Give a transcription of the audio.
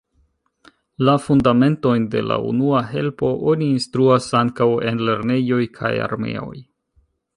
La fundamentojn de la unua helpo oni instruas ankaŭ en lernejoj kaj armeoj.